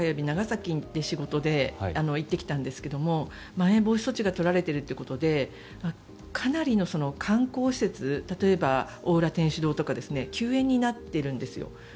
長崎へ仕事で行ってきたんですがまん延防止措置が取られているということでかなりの観光施設例えば、大浦天主堂とか休園になっているんですよ。